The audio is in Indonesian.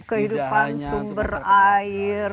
kehidupan sumber air